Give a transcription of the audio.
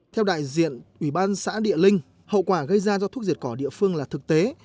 theo đại diện ủy ban xã địa linh hậu quả gây ra do thuốc diệt cỏ địa phương là thực tế